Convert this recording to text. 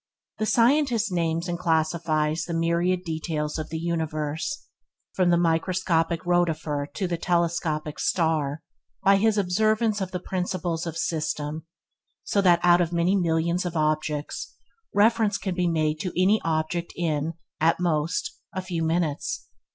The scientist names and classifies the myriad details of the universe, from the microscopic rotifer to the telescopic star, by his observance of the principle of system, so that out of many millions of objects, reference can be made to any one object in, at most, a few minutes.